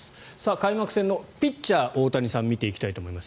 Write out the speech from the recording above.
開幕戦のピッチャー・大谷さんを見ていきたいと思います。